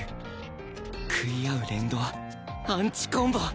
喰い合う連動アンチ・コンボ！